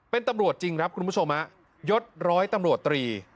เป็นตำรวจจริงครับคุณผู้ชมฮะยศร้อยตำรวจตรี